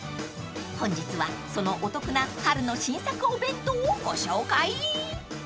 ［本日はそのお得な春の新作お弁当をご紹介］